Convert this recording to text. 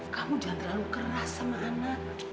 kamu jangan terlalu keras sama anak